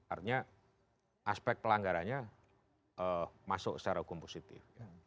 artinya aspek pelanggarannya masuk secara hukum positif